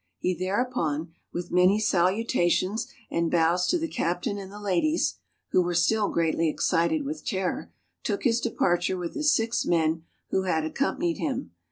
He thereupon, with many salutations and bows to the captain and the ladies (who were still greatly excited with terror), took his departure with his six men who had accompanied him.